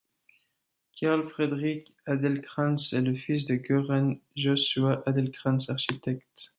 Carl Fredrik Adelcrantz est le fils de Göran Josuæ Adelcrantz, architecte.